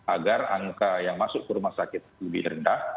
agar angka yang masuk ke rumah sakit lebih rendah